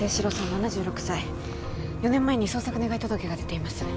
７６歳４年前に捜索願届が出ています